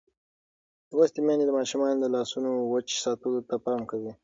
لوستې میندې د ماشومانو د لاسونو وچ ساتلو ته پام کوي.